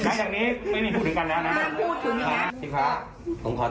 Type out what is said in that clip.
ใช่จังนี้ไม่มีผูลิกันแล้วนะ